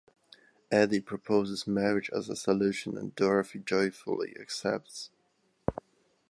Eddie proposes marriage as a solution and Dorothy joyfully accepts.